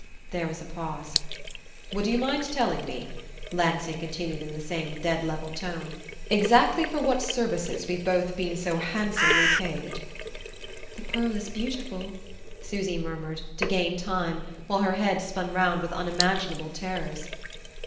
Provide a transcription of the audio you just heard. There was a pause. "Would you mind telling me," Lansing continued in the same dead level tone, "exactly for what services we've both been so handsomely paid?" "The pearl is beautiful," Susy murmured, to gain time, while her head spun round with unimaginable terrors.